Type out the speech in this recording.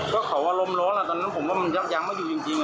ก็เขาว่าลมร้อนอะตอนนั้นผมก็ยังไม่อยู่จริงอะ